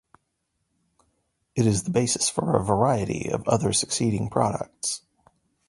It is the basis for a variety of other succeeding products.